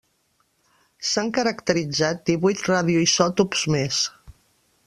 S'han caracteritzat divuit radioisòtops més.